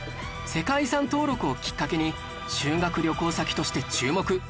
世界遺産登録をきっかけに修学旅行先として注目